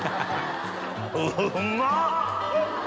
うまっ！